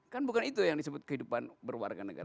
kan bukan itu yang disebut kehidupan berwarga negara